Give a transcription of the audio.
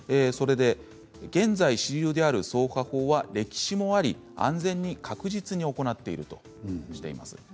現在主流である、そうは法は歴史もあり安全に確実に行っているとしています。